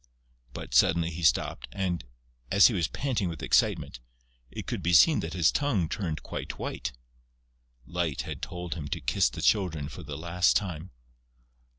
But, suddenly, he stopped and, as he was panting with excitement, it could be seen that his tongue turned quite white: Light had told him to kiss the Children for the last time.